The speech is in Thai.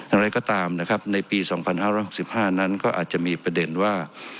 อะไรก็ตามนะครับในปี๒๕๖๕นั้นก็อาจจะมีประเด็นว่า